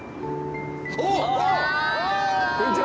こんにちは。